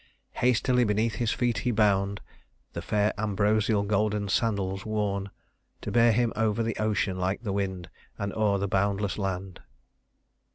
"Hastily beneath his feet he bound The fair ambrosial golden sandals, worn To bear him over ocean like the wind And o'er the boundless land."